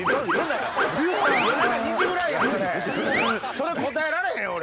それ応えられへん俺。